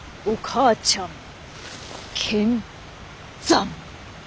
お母ちゃん。